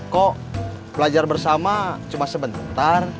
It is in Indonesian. kok belajar bersama cuma sebentar